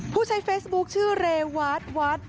ผู้ใช้เฟซบุ๊คชื่อเรวาสวัด